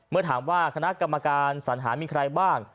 เมื่อถามว่าคณะกรรมการสัญหามีใครบ้าง